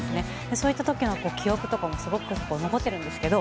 そういったときの記憶とかすごく残ってるんですけど